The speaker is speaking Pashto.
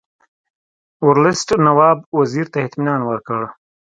ورلسټ نواب وزیر ته اطمینان ورکړ.